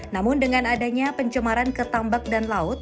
namun dengan adanya pencemaran ketambak dan laut